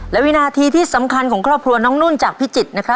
และวินาทีที่สำคัญของครอบครัวน้องนุ่นจากพิจิตรนะครับ